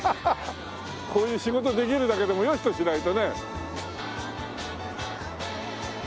こういう仕事できるだけでもよしとしないとね。